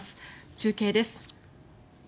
中継です。